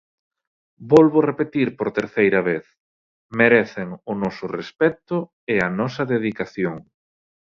Volvo repetir por terceira vez: merecen o noso respecto e a nosa dedicación.